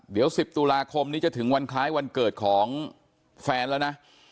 เดี๋ยว๑๐ตุลาคมนี้จะถึงวันคล้ายวันเกิดของแฟนแล้วนะ